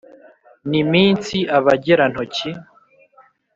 ni minsi abagera ntoki